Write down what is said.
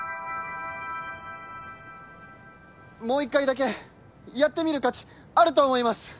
もう一回だけやってみる価値あると思います！